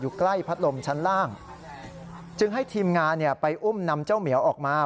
ใกล้พัดลมชั้นล่างจึงให้ทีมงานเนี่ยไปอุ้มนำเจ้าเหมียวออกมา